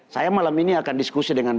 saya malam ini akan diskusi dengan